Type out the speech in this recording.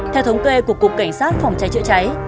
theo thống kê của cục cảnh sát phòng cháy chữa cháy